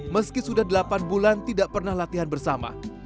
meski sudah delapan bulan tidak pernah latihan bersama